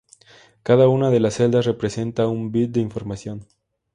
Cada una de esas celdas representa un bit de información.